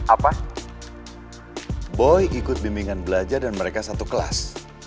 apa boy ikut bimbingan belajar dan mereka satu kelas